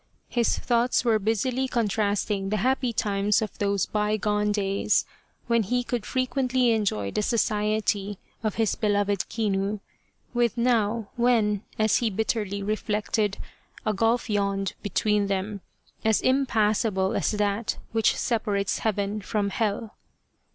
His thoughts were busily contrasting the happy times of those bygone days, when he could frequently enjoy the society of his beloved Kinu, with now, when, as he bitterly reflected, a gulf yawned between them, as im passable as that which separates Heaven from Hell